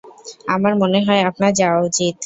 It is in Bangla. আমার মনে হয় আপনার যাওয়া উচিত।